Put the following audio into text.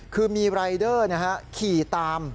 คือมีรายเดอร์ขี่ตาม